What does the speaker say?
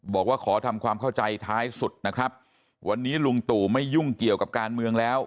บอกว่าขอทำความเข้าใจท้ายสุดนะครับวันนี้ลุงตู่ไม่ยุ่งเกี่ยวกับการเมืองแล้ว